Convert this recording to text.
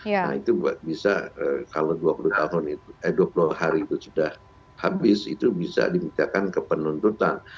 nah itu bisa kalau dua puluh hari itu sudah habis itu bisa dimintakan ke penuntutan